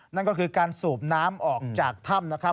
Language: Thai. นั่นก็คือการสูบน้ำออกจากถ้ำนะครับ